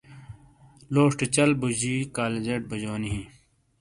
لوشٹی چل بوجی کالجٹ بوجونی ہیں